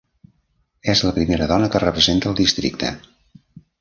És la primera dona que representa el districte.